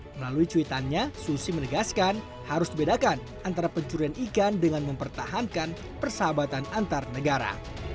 melalui cuitannya susi menegaskan harus dibedakan antara pencurian ikan dengan mempertahankan persahabatan antar negara